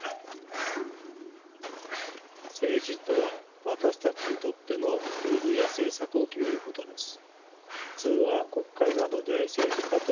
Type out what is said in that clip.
政治とは私たちにとってのルールや政策を決めることです。